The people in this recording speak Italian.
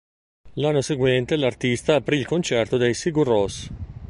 L'anno seguente l'artista aprì il concerto dei Sigur Rós.